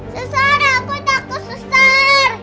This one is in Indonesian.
sesar aku takut seser